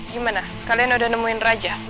gimana kalian udah nemuin raja